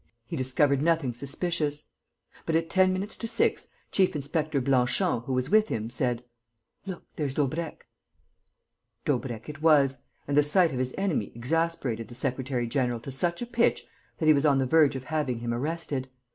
He discovered nothing suspicious. But, at ten minutes to six, Chief inspector Blanchon, who was with him, said: "Look, there's Daubrecq." Daubrecq it was; and the sight of his enemy exasperated the secretary general to such a pitch that he was on the verge of having him arrested.